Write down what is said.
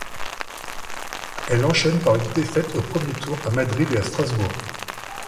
Elle enchaîne par une défaite au premier tour à Madrid et à Strasbourg.